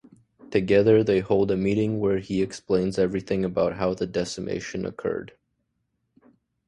Together they hold a meeting where he explains everything about how the Decimation occurred.